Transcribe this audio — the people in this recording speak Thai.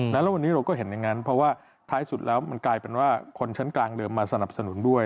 แล้ววันนี้เราก็เห็นอย่างนั้นเพราะว่าท้ายสุดแล้วมันกลายเป็นว่าคนชั้นกลางเดิมมาสนับสนุนด้วย